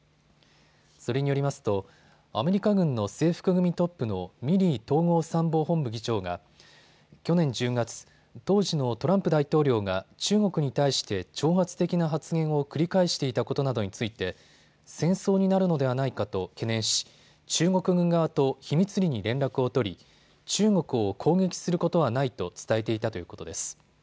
それによりますとアメリカ軍の制服組トップのミリー統合参謀本部議長が去年１０月、当時のトランプ大統領が中国に対して挑発的な発言を繰り返していたことなどについて戦争になるのではないかと懸念し中国軍側と秘密裏に連絡を取り中国を攻撃することはないと伝えていたということです。